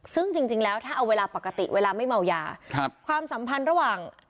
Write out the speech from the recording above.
ซึ่งจริงแล้วถ้าเอาเวลาปกติเวลาไม่เมายาความสัมพันธ์ระหว่าง